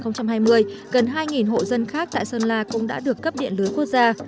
gần hai hộ dân khác tại sơn la cũng đã được cấp điện lưới quốc gia